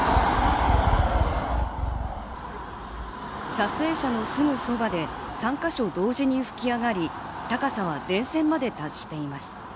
撮影者のすぐそばで３か所同時に噴き上がり、高さは電線まで達しています。